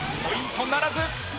ポイントならず。